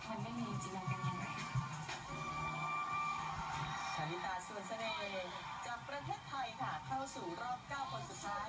เพราะว่าหนูมีความคิดว่าหนูได้สัมผัสตรงจุดนั้นว่า